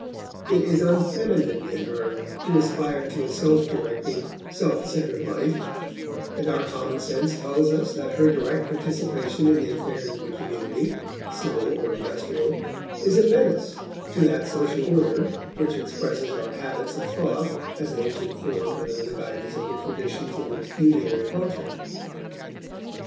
It is unfeminine in her to aspire to a self directing, self centered life; and our common sense tells us that her direct participation in the affairs of the community, civil or industrial, is a menace to that social order which expresses our habits of thought as they have been formed under the guidance of the traditions of the pecuniary culture.